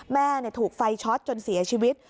แม่ถูกไฟช็อตจนเสียชีวิต